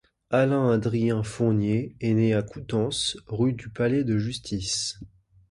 Alain-Adrien Fournier est né le à Coutances, rue du Palais de justice.